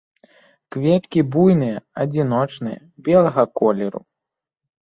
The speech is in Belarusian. Кветкі буйныя, адзіночныя, белага колеру.